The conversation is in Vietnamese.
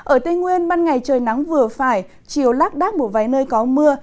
ở tây nguyên ban ngày trời nắng vừa phải chiều lắc đắc bổ váy nơi có mưa